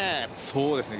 そうですね